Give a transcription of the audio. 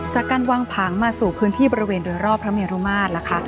จากการวางผังมาสู่พื้นที่บริเวณโดยรอบพระเมรุมาตรนะคะ